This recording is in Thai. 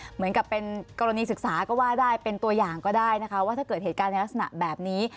เหมือนกับเป็นกรณีศึกษาก็ว่าได้เป็นตัวอย่างก็ได้นะคะว่าถ้าเกิดเหตุการณ์ในลักษณะแบบนี้